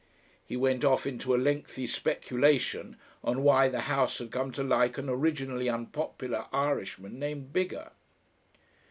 He went off into a lengthy speculation of why the House had come to like an originally unpopular Irishman named Biggar....